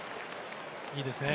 いいですね。